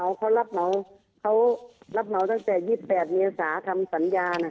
เขารับเหมาเขารับเหมาตั้งแต่๒๘เมษาทำสัญญาน่ะ